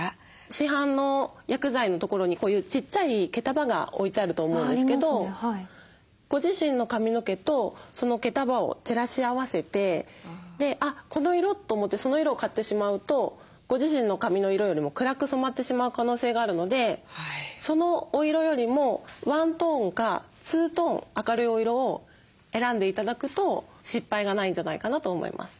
市販の薬剤のところにこういうちっちゃい毛束が置いてあると思うんですけどご自身の髪の毛とその毛束を照らし合わせてあっこの色！と思ってその色を買ってしまうとご自身の髪の色よりも暗く染まってしまう可能性があるのでそのお色よりも１トーンか２トーン明るいお色を選んで頂くと失敗がないんじゃないかなと思います。